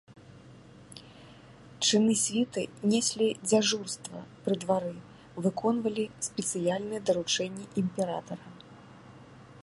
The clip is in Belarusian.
Чыны світы неслі дзяжурства пры двары, выконвалі спецыяльныя даручэнні імператара.